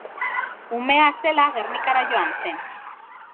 Umea zela Gernikara joan zen.